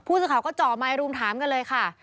ผู้สื่อข่าก็จ่อมายรุมถามกันเลยค่ะ